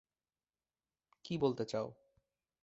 কি বলতে চাও?